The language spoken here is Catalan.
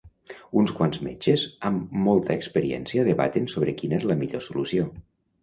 Uns quants metges amb molta experiència debaten sobre quina és la millor solució.